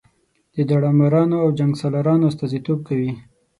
د داړه مارانو او جنګ سالارانو استازي توب کوي.